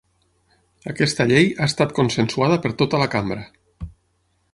Aquesta llei ha estat consensuada per tota la cambra.